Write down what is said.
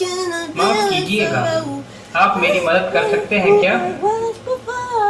माफ़ कीजिएगा, आप मेरी मदद कर सकते हैं क्या?